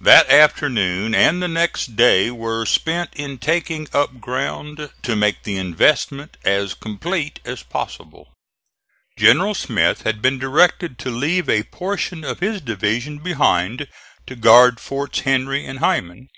That afternoon and the next day were spent in taking up ground to make the investment as complete as possible. General Smith had been directed to leave a portion of his division behind to guard forts Henry and Heiman.